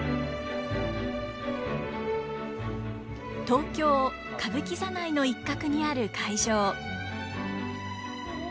東京歌舞伎座内の一角にある会場。